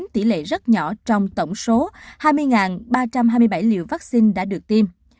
tỷ lệ rất nhỏ trong tổng số hai mươi ba trăm hai mươi bảy liều vaccine đã được tiêm